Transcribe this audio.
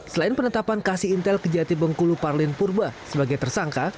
selain penetapan kc intel kejaksaan tinggi bengkulu parlin purba sebagai tersangka